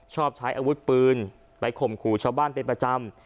ชอบใช้อาวุธปืนไปข่มขู่ชาวบ้านเป็นประจำ